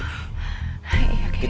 kita balik ke losmen